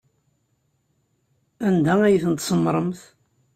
Anda ay tent-tsemmṛemt?